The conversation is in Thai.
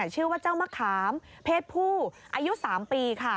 ชื่อว่าเจ้ามะขามเพศผู้อายุ๓ปีค่ะ